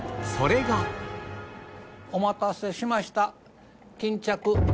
それがお待たせしました。